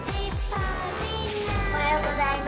おはようございます。